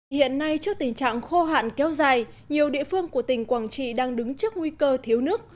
hiện nay trước tình trạng khô hạn kéo dài nhiều địa phương của tỉnh quảng trị đang đứng trước nguy cơ thiếu nước